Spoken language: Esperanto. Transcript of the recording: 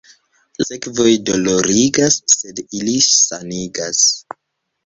La sekvoj dolorigas, sed ili sanigas.